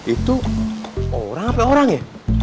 itu orang apa orang ya